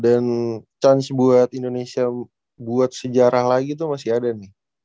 dan chance buat indonesia buat sejarah lagi tuh masih ada nih